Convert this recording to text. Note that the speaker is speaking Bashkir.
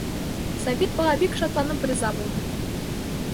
Сабит быға бик шатланып риза булды.